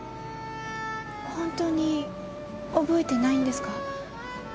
本当に覚えてないんですか？